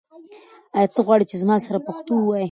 آیا ته غواړې چې زما سره پښتو ووایې؟